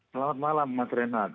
selamat malam mas renat